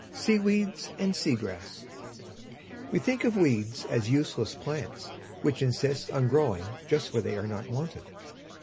SEA WEEDS AND SEA GRASS We think of weeds as useless plants which insist on growing just where they are not wanted.